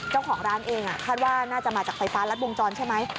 เจ้าของร้านเองคาดว่าน่าจะมาจากไฟฟ้ารัดวงจรใช่ไหม